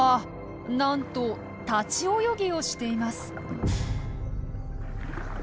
なんと立ち泳ぎをしています！